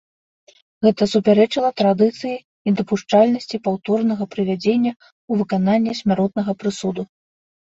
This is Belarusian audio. Гэта супярэчыла традыцыі недапушчальнасці паўторнага прывядзення ў выкананне смяротнага прысуду.